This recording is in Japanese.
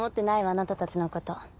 あなたたちのこと。